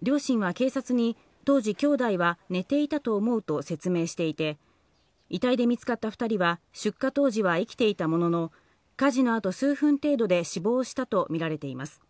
両親は警察に当時、兄弟は寝ていたと思うと説明していて、遺体で見つかった２人は出火当時は生きていたものの、火事の後、数分程度で死亡したとみられています。